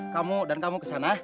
kamu dan kamu kesana